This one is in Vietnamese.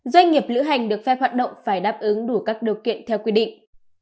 doanh nghiệp lữ hành được phép hoạt động phải đáp ứng đủ các điều kiện theo quy định